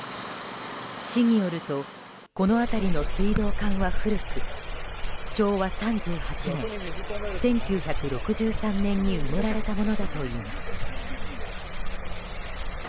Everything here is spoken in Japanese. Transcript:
市によるとこの辺りの水道管は古く昭和３８年、１９６３年に埋められたものだといいます。